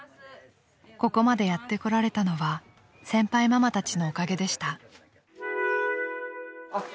［ここまでやってこられたのは先輩ママたちのおかげでした］